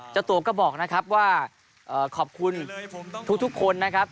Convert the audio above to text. เจ้าตัวก็บอกนะครับว่าขอบคุณทุกคนนะครับ